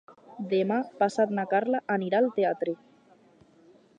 Demà passat na Carla anirà al teatre.